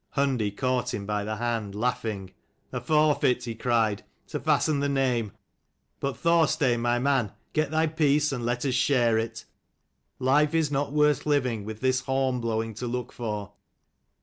Hundi caught him by the hand, laughing. "A forfeit," he cried, "to fasten the name! But Thorstein, my man, get thy peace, and let us share it. Life is not worth living, with this horn blowing to look for."